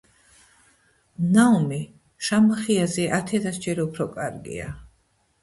ნაუმი შამახიაზე ათიათასჯერ უფრო კარგია